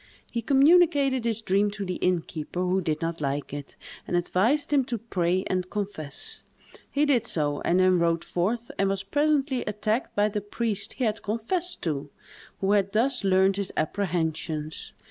He communicated his dream to the innkeeper, who did not like it, and advised him to pray and confess. He did so, and then rode forth, and was presently attacked by the priest he had confessed to, who had thus learned his apprehensions.